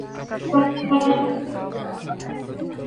Ralfir in an doh hna.